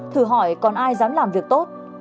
thử hỏi còn ai dám làm việc tốt